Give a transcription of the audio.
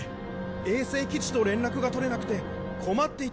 衛星基地と連絡が取れなくて困っていたところです。